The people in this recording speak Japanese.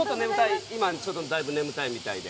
今ちょっとだいぶ眠たいみたいで。